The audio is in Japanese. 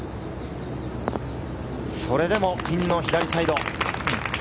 それでもピンの左サイド。